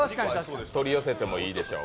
取り寄せてもいいでしょう。